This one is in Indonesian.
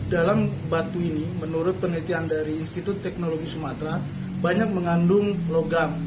dalam batu ini menurut penelitian dari institut teknologi sumatera banyak mengandung logam